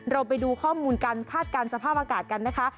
เราไปดูข้อมูลการคาดการณ์สภาพอากาศกันนะคะ